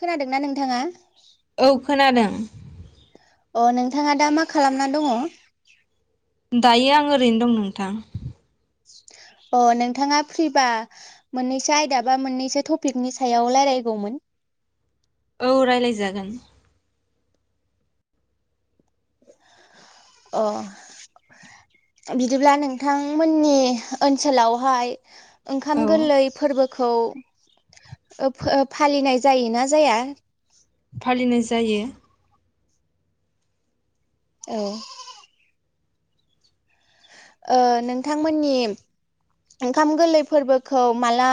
खोनादोंना नोंथाङा? औ खोनादों अ नोंथाङा दा मा खालामना दङ? दायो आं ओरैनो दं नोंथां अ नोंथाङा फ्रिबा मोननैसो आयदा बा मोननैसो टपिकनि सायाव लारायगौमोन औ रायलायजागोन अ बिदिब्ला नोंथांमोननि ओनसोलावहाय औ ओंखाम गोरलै फोरबो खौ ओ फो फालिनाय जायोना जाया? फालिनाय जायो औ ओ नोंथांमोननि ओंखाम गोरलै फोरबोखौ माला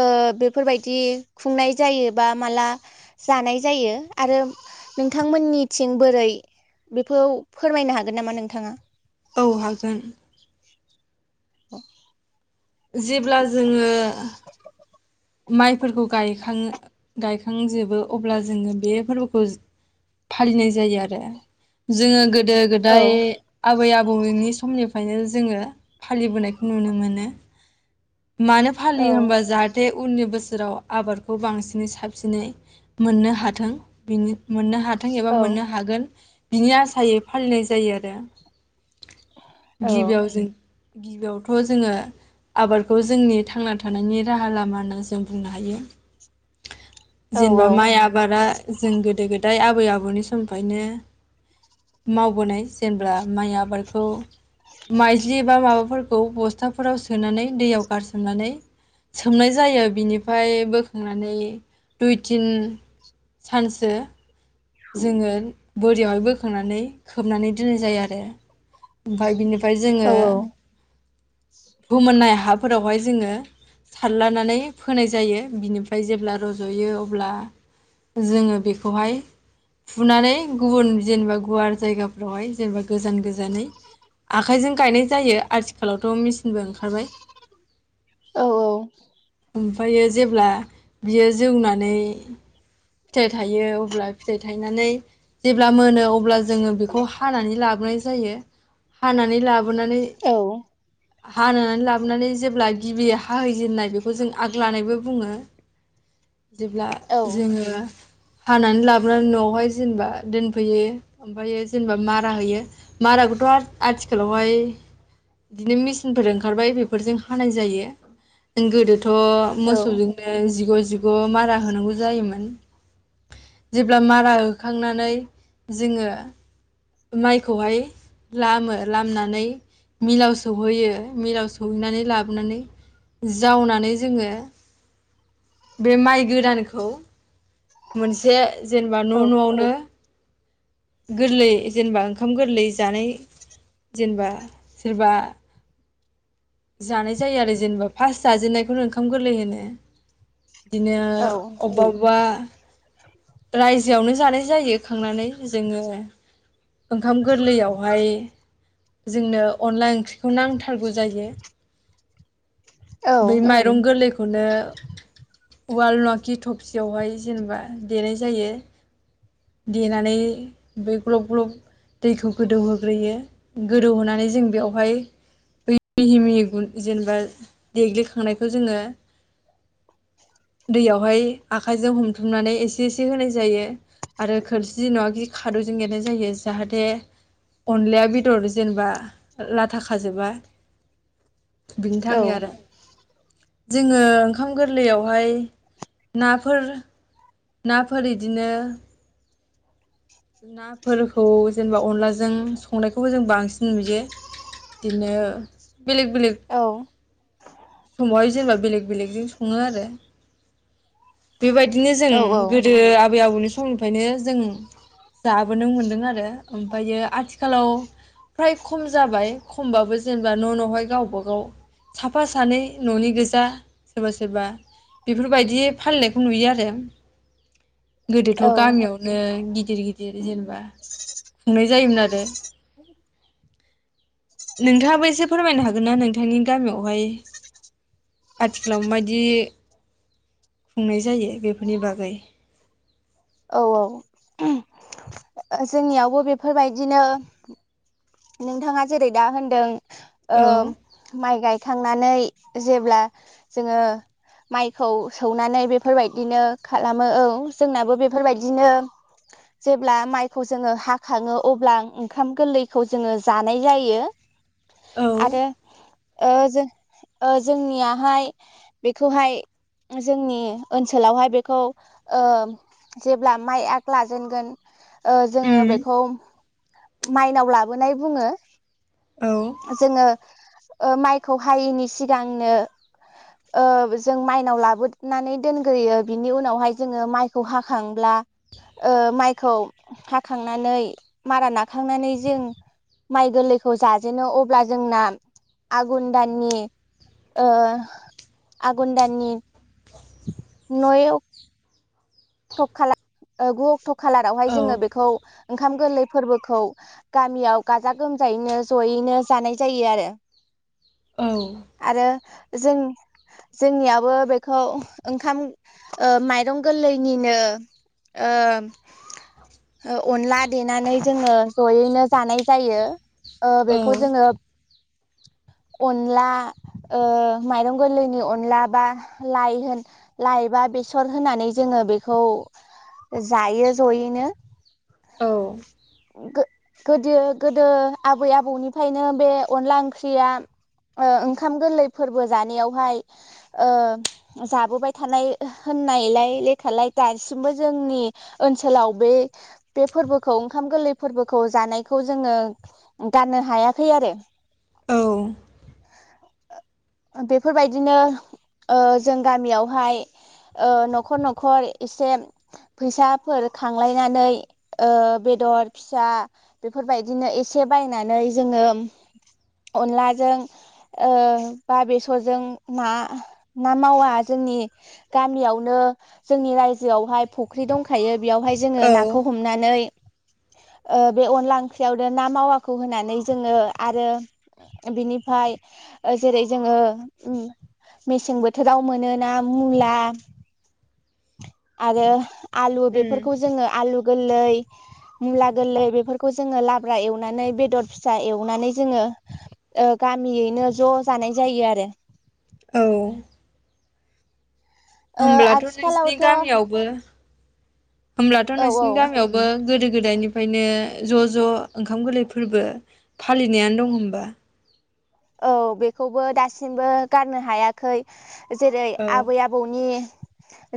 ओ बेफोरबायदि खुंनाय जायो बा माला जानाय जायो आरो नोंथांमोननिथिं बोरै बेखौ फोरमायनो हागोन नामा नोंथाङा औ हागोन [inaudible] जेब्ला जोङो माइफोरखौ गायखाङो गायखांजोबो अब्ला जोङो बे फोरबोखौ फालिनाय जायो आरो जोङो गोद गोदो गोदाय औ आबै आबौनि समनि खायनो जोङो फालिबोनायखौ नुनो मोनो मानो फालियो औ होनबा जाहाथ- बे उननि बोसोराव आबादखौ बांसिनै साबसिनै मोननो हाथों बिनि मोननो हाथों एबा औ मोननो हागोन बिनि आसायै फालिनाय जायो आरो औ गिबियाव जों गिबियावथ जोङो आबादखौ जोंनि थांना थानायनि राहा लाम मा होनना जों बुंनो हायो औ जेनेबा माइ आबादा जों गोदो गोदाय आब आबै आबौनि समनिफ्रायनो मावबोनाय जेनेब्ला माइ आबादखौ माइज्लि एबा माबाफोरखौ बस्थाफोराव सोनानै दैयाव गारसोमनानै सो सोमनाय नाय जायो बिनिफ्राय बोखांनानै दुइ तिन सानसो जोङो बोरियावहाय बोखांनानै खोबनानै दोननाय जायो आरो ओमफाय बिनिफ्राय औ जोङो फोमोननाय हाफोरावहाय जोङो सारलानानै फोनाय जायो बिनिफ्राय जेब्ला रजयो अब्ला जोङो बेखौहाय फुनानै गुबुन जेनेबा गुवार जायगाफोरावहाय जेनेबा गोजान-गोजाननै आखाइजों गायनाय जायो आथिखालावथ मिस बो ओंखारबाय औ ओमफ्रायो जेब्ला बियो जौनानै फिथाइ थायो अब्ला फिथाइ थायनानै जेब्ला ब्ला मोनो अब्ला जोङो बेखौ हानानै लाबोनाय जा जायो हानानै लाब अननानै औ हानानै लाबोनानै जेब्ला गिबि हाहैजेनन्नाय बेखौ जों आग्लानायबो बुङो। जेब्ला औ जोङो हानानै लाबोनानै नआवहाय जेनबा दोनफैयो ओमफायो जेनबा मारा होयो माराखौथ आथिखालावहाय बिदिनो मेचिनफोर ओंखारबाय बेफोरजों हानाय जायो जों गोदोथ थ मोसौजोंनो जिग' जि जिग मारा होनांगौ जायोमोन। जेब्ला मारा होखांनानै जोङो माइखौहाय लामो लामनानै मिलाव सहैयो मिलाव सौहैनानै लाबोनानै जावनानै जोङो बे माइ गोदानखौ मोनसे जेनबा न-न आवनो गोरलै जेनबा ओंखाम गोरलै जानाय जेनबा सोरबा जानाय जायो आरो जेनबा फास जाजेननायखौनो ओंखाम गोरलै होनो। बिदिनो अबबा अबबा रायजोआवनो जानाय जायो खांनानै जोङो। ओंखाम गोरलैयावहाय जोंनो अनला ओंख्रिखौ नांथारगौ जायो। बै माइरं गोरलैखौनो उवाल नङिखि थफसियावहाय जेनबा देनाय जायो देनानै बे ग्लब ग्लब दैखौ गोदौहोग्रोयो गोदौहोनानै जों बेयावहाय बै मिहि मिहि गुन जेनेबा देग्लिखांनायखौ जोङो दैयावहाय आखायजों हम थुमनानै एसे एसे होनाय जायो आरो खोरसि नङाखि खादौजों एरनाय जायो जाहाथे अनलाया बेदर जेनेबा लाथा खाजोबा। बिनि थाखाय आरो। जोङो ओंखाम गोरलैयावहाय नाफोर नाफोर इदिनो नाफोरखौ जेनेबा अनलाजों संनायखौबो जों बांसिन नुयो बिदिनो बेलेग बेलेग [unintelligible] समावहाय जेनेबा बेलेग बेलेगजों सङो आरो। बेबायदिनो जों औ गोदो आबै आबौनि समनिफ्रायनो जों जाबोनो मोन्दों आरो ओमफ्रायो आथिखालाव फ्राय खम जाबाय खमबाबो जेनेबा न नहाय गावबागाव साफा सानै ननि गोजा सोरबा सोरबा बेफोरबायदि फालिनायखौ नुयो आरो। गोदोथ औ गामियावनो गि दिर गिदिर जेनबा खुंनाय जायोमोन आरो [inaudible] नोंथाङा एसे फोरमायनो हागोन नोंथांनि। गामियावहाय आथिखालाव मायदि। खुंनाय जायो बेफोरनि बागै। औ औ जोंनियावबो बेफोरबायदिनो। नोंथाङा जेरै दा होनदों। औ ओ माइ गाय। खांनानै जेब्ला जोङो माइखौ सौनानै बेफोरबायदिनो खालामो औ जोंनाबो बेफोरबायदिनो जेब्ला माइखौ जोङो हाखाङो अब्ला ओंखाम गोरलै खौ जोङो जानाय जायो औ आरो ओ जों। ओ जोंनियावहाय बेखौहाय जोंनि ओनसोलावहाय बेखौ जेब्ला माइ आग लाजेनगोन ओ जोङो उम बेखौ माइनाव ला बोनाय बुङो। औ जोङो। ओ माइखौ हायैनि सिगांनो ओ जों माइनाव लाबोनानै दोनग्रोयो बिनि उनावहाय जोङो माइखौ हाखांब्ला ओ माइखौ हाखांनानै मारा नाखांनानै जों माइ गोरलैखौ जाजेनो अब्ला जोंना आघुन दाननि ओ आघुन दाननि नयव थक खालाम ओ ग थ कालारावहाय जोंना औ बेखौ ओंख ओंखाम गोरलै फोरबोखौ गामियाव गाजा गोमजायैनो जयैनो जानाय जायोआरो। औ आरो। जों-जोंनियाबो बेखौ ओंखाम माइरं गोरलै। जनिनो ओ अनला देनानै जोङो जयैनो जानाय जायो। ओ औ बेखौ जोङो अनला ओ माइरं गोरलैनि अनला बा लाइ लाइ बा बेसर होनानै जोङो बेखौ जायो जयैनो औ। गो-गोदो गोदो आबै आबौनिफ्रायनो बे अनला ओंख्रिया ओ ओंखाम गोरलै फोरबो जानायावहाय ओ जाबोबाय थानाय होननायलाय ले खालाय दासिमबो जोंनि ओनसोलाव बे बे फोरबोखौ ओंखाम गोरलै फोरबोखौ जानायखौ जोङो गाननो हायाखैआरो। औ। बेफोरबायदिनो ओ जों गामियावहाय ओ नखर नख न'खर एसे फैसाफोर खांलायनानै ओ बेदर फिसा बेफोरबायदिनो एसे बायनानै जोङो अनलाजों ओ बा बेसरजों ना ना मावा जोंनि गामियावनो जोंनि रायजोआवहाय फुख्रि दंखायो बेयावहाय जोङो औ नाखौ हमनानै ओ बे अनला ओंख्रियावनो ना मावाखौ होनानै जोङो आरो बिनिफ्राय ओ जेरै जोङो मेसें बोथोराव मोनोना मुला आरो। आलु उम बेफोरखौ जोङो आलु गोललै मुला गोरलै बेफोरखौ जोंङो लाब्रा एवनानै बेदर फिसा एवनानै जोंङो ओ गामियैनो ज' जानाय जायोआरो औ ओ होमब्लाथ नोंसिनि आथिखालावथ' गामियावबो होमब्लाथ औ नोंसिनि औ गामियावबो गोदो गोदाय निफ्रायनो ज ज ओंखाम गोरलै फोरबो फालिनायानो दं होमबा औ बेखौबो दासिमबो गारनो हायाखै जेरै औ आबै आबौनि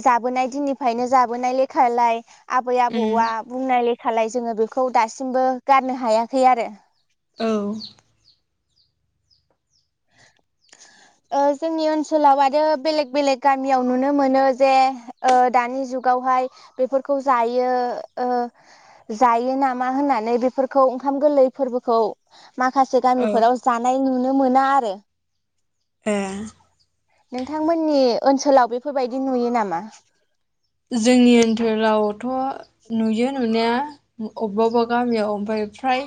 जाबोनाय दिननिफ्रायनो जाबोनाय लेखालाय आबै, उम आबौआ बुंनाय ले खालाय जोंङो बेखौ दासिमबो गारनो हायाखैआरो औ ओ जोंनि ओनसोलाव आरो बेलेग बेलेग गामियाव नुनो मोनो जे ओ दानि जुगावहाय बेफोरखौ जायो ओ जायो नामा होननानै बेफोरखौ ओंखाम गोरलै फोरबोखौ माखासे औ गामिफोराव जानाय नुनो मोना आरो ए नोंथांमोननि ओनसोलाव बेफोरबायदि नुयो नामा? जोंनि ओनथोलावथ नुयो नुनाया अबेबा अबेबा गामियाव ओमफाय फ्राय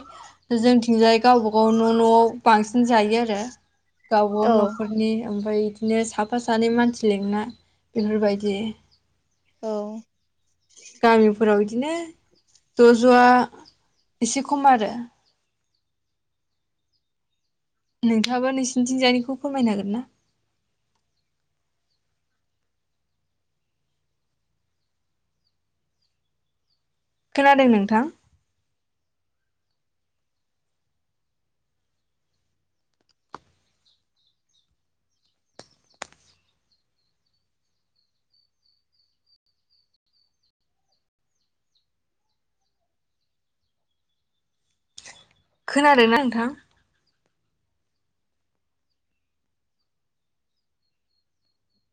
जोंथिंजाय गावबा गाव न' नआव बांसिन जायो आरो। गाववाव औ नखरनि ओमफाय बिदिनो साफा सानै मानसि लिंना बेफोरबायदि औ गामिफोराव बिदिनो ज-ज आ एसे खम आरो। नोंथाङाबा नोंसिनिथिंजानिखौ फोरमायनो हागोन ना? खोनादों नोंथां खोनादों ना नोंथां?